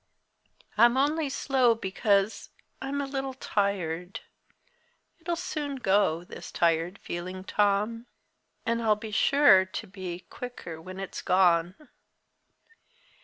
I'm only slow because I'm a little tired. It'll soon go, this tired feeling, Tom and I'll be sure to be quicker when it's gone."